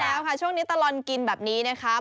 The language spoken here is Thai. แล้วค่ะช่วงนี้ตลอดกินแบบนี้นะคะ